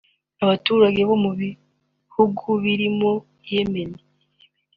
Abaturage bo mu bihugu birimo Yemen